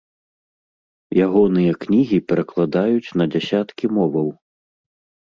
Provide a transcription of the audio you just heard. Ягоныя кнігі перакладаюць на дзясяткі моваў.